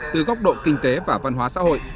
từ góc độ kinh tế và văn hóa xã hội